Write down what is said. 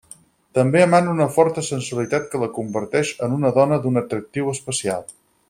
També emana una forta sensualitat que la converteix en una dona d'un atractiu especial.